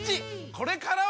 これからは！